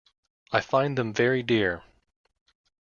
I find them very dear.